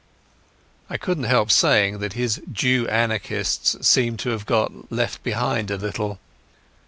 I could not help saying that his Jew anarchists seemed to have got left behind a little.